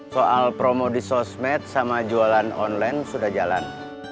soal promo di sosmed sama jualan online sudah jalan